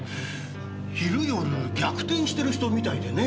昼夜逆転してる人みたいでね